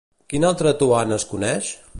Quin altre Toant es coneix?